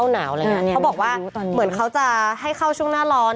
เขาบอกว่าเหมือนเขาจะให้เข้าช่วงหน้าร้อน